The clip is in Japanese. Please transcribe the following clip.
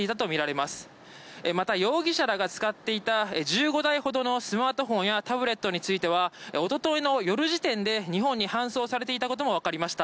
また、容疑者らが使っていた１５台ほどのスマートフォンやタブレットについてはおとといの夜時点で日本に搬送されていたこともわかりました。